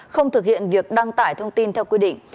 không thực hiện việc đăng tải thông tin theo quy định